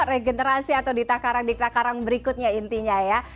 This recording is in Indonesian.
regenerasi atau ditakarang ditakarang berikutnya intinya ya